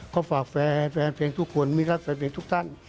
ก็ฝากแฟนทุกคนมีรักษาเล็กทุกท่าน